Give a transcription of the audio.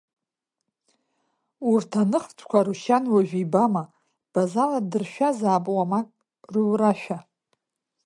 Урҭ аныхтәқәа Арушьан уажә ибама, Базала ддыршәазаап, уамак рурашәа.